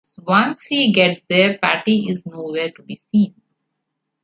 Once he gets there, Patti is nowhere to be seen.